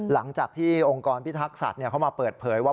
หลังจากที่องค์กรพิทักษัตริย์เขามาเปิดเผยว่า